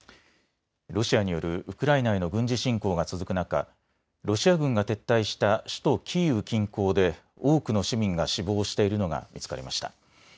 ロシアによるウクライナへの軍事侵攻が続く中、ロシア軍が撤退した首都キーウ近郊で多くの市民が死亡しているのが見つかりました。